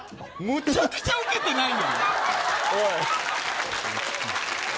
めちゃくちゃ受けてないやん。